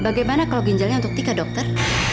bagaimana kalau ginjalnya untuk tiga dokter